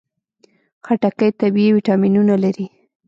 خټکی طبیعي ویټامینونه لري.